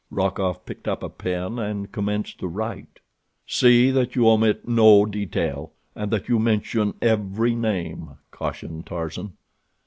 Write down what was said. Rokoff picked up a pen and commenced to write. "See that you omit no detail, and that you mention every name," cautioned Tarzan.